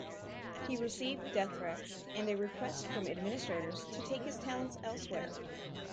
He received death threats and a request from administrators to take his talents elsewhere.